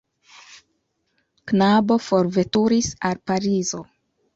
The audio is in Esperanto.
Knabo forveturis al Parizo.